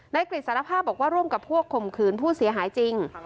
กริจสารภาพบอกว่าร่วมกับพวกข่มขืนผู้เสียหายจริง